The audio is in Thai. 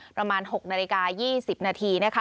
ประมาณ๖นาฬิกา๒๐นาที